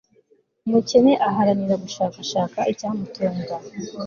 umukene aharanira gushakashaka icyamutunga